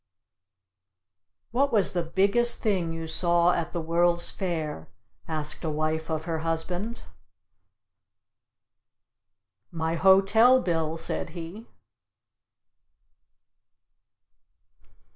"What was the biggest thing you saw at the World's Fair?" asked a wife of her husband. "My hotel bill!" said he.